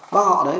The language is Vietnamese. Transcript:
bác họ đấy